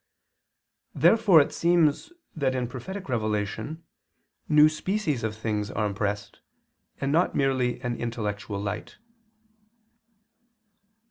Therefore it seems that in prophetic revelation new species of things are impressed, and not merely an intellectual light.